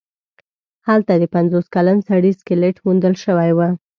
هلته د پنځوس کلن سړي سکلیټ موندل شوی و.